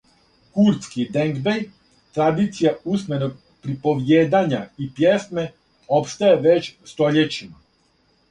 "Курдски "денгбеј", традиција усменог приповиједања и пјесме, опстаје већ стољећима."